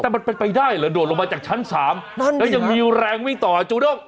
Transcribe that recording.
แต่มันเป็นไปได้เหรอโดดลงมาจากชั้น๓แล้วยังมีแรงวิ่งต่อจูด้ง